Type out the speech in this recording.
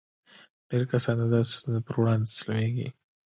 ډېر کسان د داسې ستونزو پر وړاندې تسليمېږي.